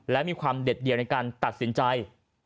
และมีความเด็ดเดียวในการตัดสินใจ